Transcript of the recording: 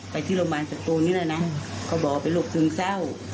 ไปที่โรงพยาบาลศัตรูนี้เลยนะเขาบอกว่าเป็นลูกซึ้งเศร้า